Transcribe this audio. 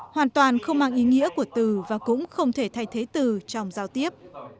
hoàn toàn không mang ý nghĩa của từ và cũng không thể thay thế từ trong giao tiếp